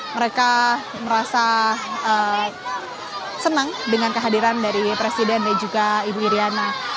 mereka merasa senang dengan kehadiran dari presiden dan juga ibu iryana